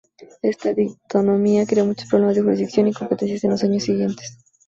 Esta dicotomía creó muchos problemas de jurisdicción y competencias en los años siguientes.